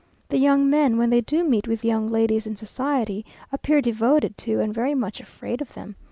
The young men when they do meet with young ladies in society, appear devoted to and very much afraid of them.